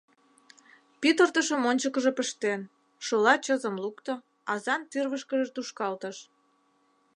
Пӱтыртышым ончыкыжо пыштен, шола чызым лукто, азан тӱрвышкыжӧ тушкалтыш.